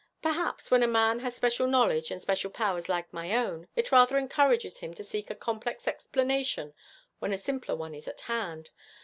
Perhaps, when a man has special knowledge and special powers like my own, it rather encourages him to seek a complex explanation when a simpler one is at hand.